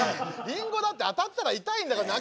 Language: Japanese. リンゴだって当たったら痛いんだからな。